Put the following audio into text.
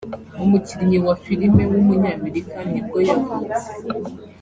umukinnyi wa filime w’umunyamerika ni bwo yavutse